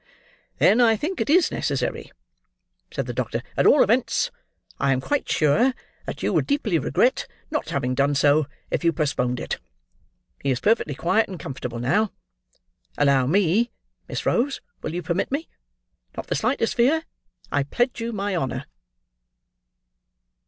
"Then I think it is necessary," said the doctor; "at all events, I am quite sure that you would deeply regret not having done so, if you postponed it. He is perfectly quiet and comfortable now. Allow me—Miss Rose, will you permit me? Not the slightest fear, I pledge you my honour!"